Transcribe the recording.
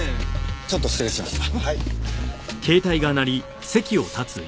ちょっと失礼します。